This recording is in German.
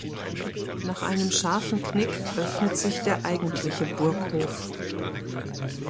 Nach einem scharfen Knick öffnet sich der eigentliche Burghof.